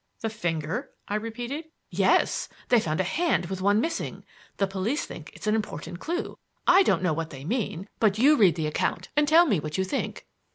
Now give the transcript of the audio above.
"The finger?" I repeated. "Yes. They found a hand with one missing. The police think it is an important clue. I don't know what they mean; but you read the account and tell me what you think."